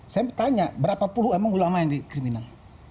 saya bertanya berapa puluhan ulama yang dikriminal